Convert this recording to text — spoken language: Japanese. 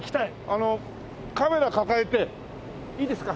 あのカメラ抱えていいですか？